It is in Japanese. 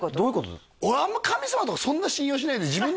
俺あんまり神様とかそんな信用しないんで自分の願い